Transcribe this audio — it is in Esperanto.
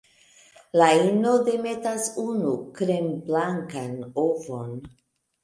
La ino demetas unu kremblankan ovon.